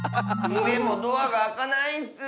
でもドアがあかないッス。